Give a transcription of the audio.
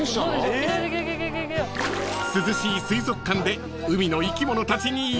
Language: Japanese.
［涼しい水族館で海の生き物たちに癒やされる］